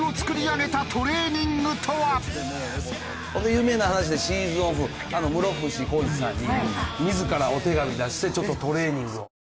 有名な話でシーズンオフ室伏広治さんに自らお手紙出してちょっとトレーニングを。